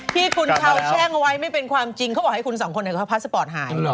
ที่คุณชาวแช่งเอาไว้ไม่เป็นความจริงเขาบอกให้คุณสองคนเขาพาสปอร์ตหาย